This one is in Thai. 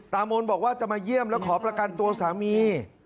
มนต์บอกว่าจะมาเยี่ยมแล้วขอประกันตัวสามี